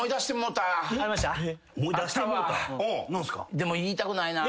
でも言いたくないなぁ。